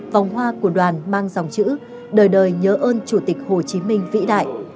vòng hoa của đoàn mang dòng chữ đời đời nhớ ơn chủ tịch hồ chí minh vĩ đại